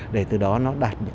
để từ đó nó đạt được